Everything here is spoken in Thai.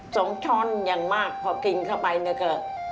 ช้อนอย่างมากพอกินเข้าไปเนี่ยก็